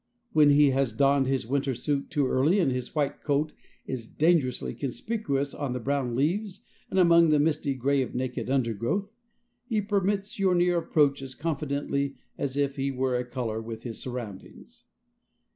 When he has donned his winter suit too early and his white coat is dangerously conspicuous on the brown leaves and among the misty gray of naked undergrowth, he permits your near approach as confidently as if he were of a color with his surroundings.